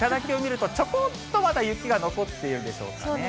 頂にちょこっとまだ、雪が残っているんでしょうか。